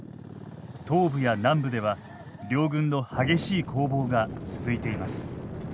東部や南部では両軍の激しい攻防が続いています。